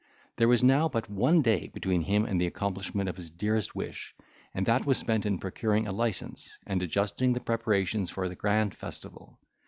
There was now but one day between him and the accomplishment of his dearest wish, and that was spent in procuring a licence, and adjusting the preparations for the grand festival.